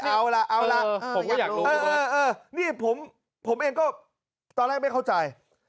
เอาล่ะเออนี่ผมเองก็ตอนแรกไม่เข้าใจ